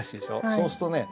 そうするとねへえ。